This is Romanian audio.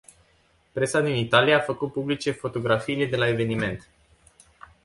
Presa din Italia a făcut publice fotografiile de la eveniment.